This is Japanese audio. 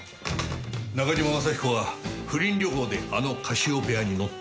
中島雅彦は不倫旅行であのカシオペアに乗った。